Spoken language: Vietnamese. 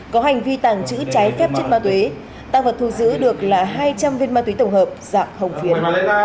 có hành vi tàng trữ trái phép chất ma túy tăng vật thu giữ được là hai trăm linh viên ma túy tổng hợp dạng hồng phiến